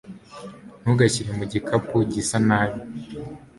Ntugashyire mu gikapu gisanabi